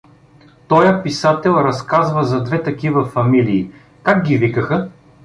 — Тоя писател разказва за две такива фамилии… Как ги викаха?